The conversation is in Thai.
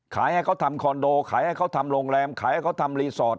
ให้เขาทำคอนโดขายให้เขาทำโรงแรมขายให้เขาทำรีสอร์ท